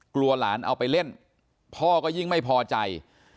กลัวหลานเอาไปเล่นพ่อก็ยิ่งไม่พอใจ